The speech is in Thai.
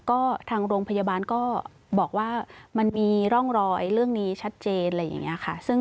ก็ทางโรงพยาบาลก็บอกว่ามันมีร่องรอยเรื่องนี้ชัดเจนอะไรอย่างนี้ค่ะ